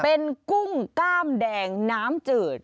เป็นกุ้งกล้ามแดงน้ำจืด